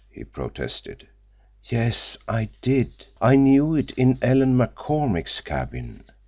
he protested. "Yes, I did. I knew it in Ellen McCormick's cabin."